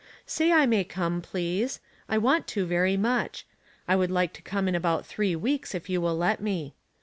Say I may come, please. I want to very much. I would like to come in about three weeks, if you will let me.